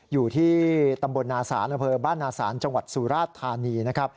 อยู่ที่ตำบลนาศาลอัมเภอบ้านนาศาลจังหวัดสุรราษณฑราณีน์